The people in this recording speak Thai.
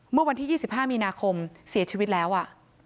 เมื่อวันที่๒๕มีนาคมเสียชีวิตแล้วอ่ะ